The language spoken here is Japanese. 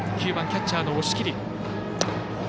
９番キャッチャーの押切。